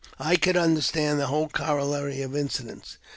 I could understand the whole corol lary of incidents.